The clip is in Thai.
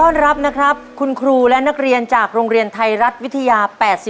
ต้อนรับนะครับคุณครูและนักเรียนจากโรงเรียนไทยรัฐวิทยา๘๔